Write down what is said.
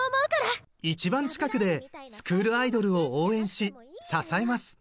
一番近くでスクールアイドルを応援し支えます。